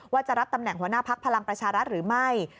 ว่าจะรับตำแหน่งหัวหน้าพักพลังประชารัฐหรือไม่